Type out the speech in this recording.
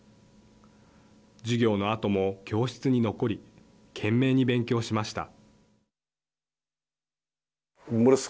授業のあとも教室に残り懸命に勉強しました。